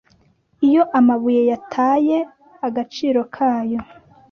iyo amabuye yataye agaciro kayo